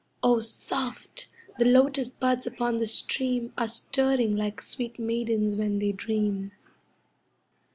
O soft! the lotus buds upon the stream Are stirring like sweet maidens when they dream.